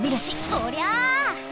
おりゃ！